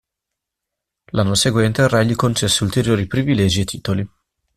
L'anno seguente il re gli concesse ulteriori privilegi e titoli.